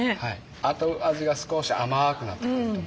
後味が少し甘くなってくる。